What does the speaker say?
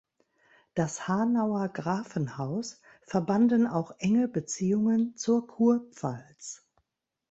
Das Hanauer Grafenhaus verbanden auch enge Beziehungen zur Kurpfalz.